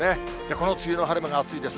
この梅雨の晴れ間が暑いです。